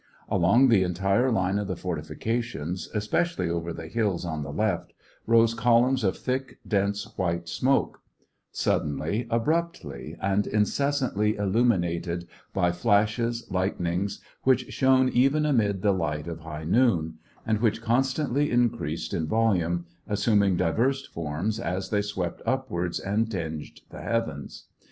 Along the entire line of the fortifications, especially over the hills on the left, rose columns of thick, dense, white smoke; suddenly, abruptly, and incessantly illuminated by flashes, lightnings, which shone even amid the light of high noon, and which constantly increased in volume, as suming divers forms, as they swept upwards, and tinged the heavens.